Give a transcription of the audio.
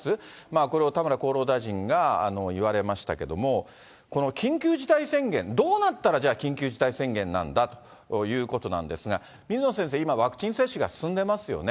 これを田村厚労大臣が言われましたけども、この緊急事態宣言、どうなったら、じゃあ緊急事態宣言なんだということなんですが、水野先生、今、ワクチン接種が進んでいますよね。